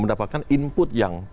mendapatkan input yang